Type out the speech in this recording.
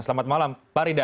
selamat malam pak rida